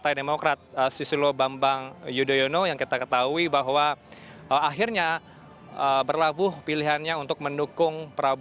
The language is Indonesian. ini adalah pilihan umum